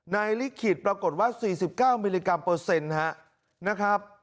ลิขิตปรากฏว่า๔๙มิลลิกรัมเปอร์เซ็นต์นะครับ